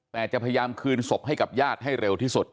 แต่จะพยายามคืนศพให้กับญาติให้เร็วที่สุด